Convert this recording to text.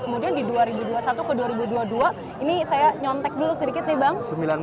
kemudian di dua ribu dua puluh satu ke dua ribu dua puluh dua ini sering sering meningkat